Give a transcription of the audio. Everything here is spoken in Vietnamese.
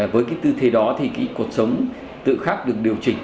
với cái tư thế đó thì cái cuộc sống tự khắc được điều chỉnh